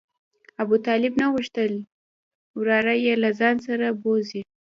ابوطالب نه غوښتل وراره یې له ځان سره بوځي.